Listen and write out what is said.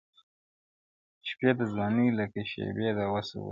شپې د ځوانۍ لکه شېبې د وصل وځلېدې-